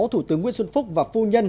thủ tướng nguyễn xuân phúc và phu nhân